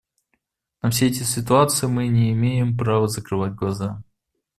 На все эти ситуации мы не имеем права закрывать глаза.